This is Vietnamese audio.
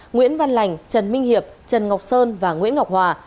nguyễn văn lành trần minh hiệp trần ngọc sơn và nguyễn ngọc hòa